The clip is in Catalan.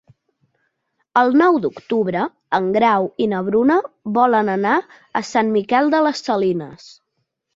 El nou d'octubre en Grau i na Bruna volen anar a Sant Miquel de les Salines.